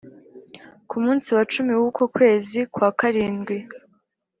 Ku munsi wa cumi w uko kwezi kwa karindwi